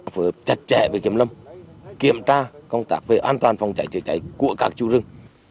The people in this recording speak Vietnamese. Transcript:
phải chặt chẽ về kiểm lâm kiểm tra công tác về an toàn phòng cháy chữa cháy của các chủ rừng